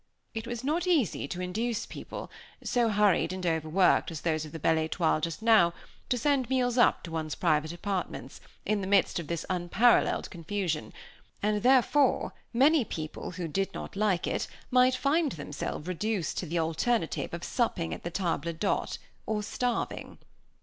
It was not easy to induce people, so hurried and overworked as those of the Belle Étoile just now, to send meals up to one's private apartments, in the midst of this unparalleled confusion; and, therefore, many people who did not like it might find themselves reduced to the alternative of supping at the table d'hôte or starving.